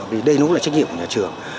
vì đây đúng là trách nhiệm của nhà trường